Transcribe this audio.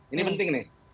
ini penting nih